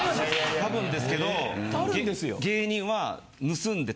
多分ですけど。